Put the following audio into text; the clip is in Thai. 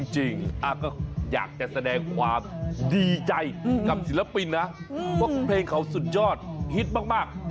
จริงก็อยากจะแสดงความดีใจกับศิลปินนะเพราะเพลงเขาสุดยอดฮิตมาก